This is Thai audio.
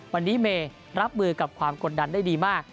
วันนี้เมย์รับมือกับความกดดันได้ดีมาก